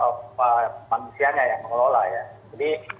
manusianya yang mengelola ya jadi